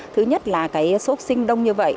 thứ nhất là số học sinh đông như vậy